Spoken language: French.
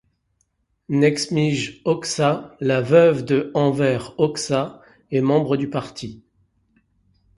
Nexhmije Hoxha, la veuve de Enver Hoxha, est membre du parti.